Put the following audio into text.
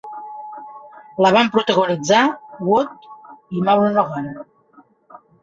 La van protagonitzar Wood i Maureen O'Hara.